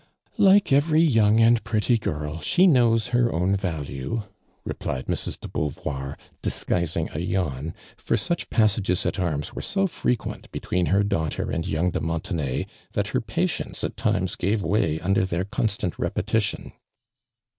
"Like every young and pretty girl, she knowi her own value:' replied Mrs. de Beauvoir, disguising a yawn, for such i)a.s sagosat arms were so fietiuent between her daughtei' and young de Montenay, that her patience at times gave way under their constant repetition.